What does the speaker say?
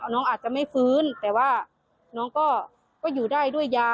น้องอาจจะไม่ฟื้นแต่ว่าน้องก็อยู่ได้ด้วยยา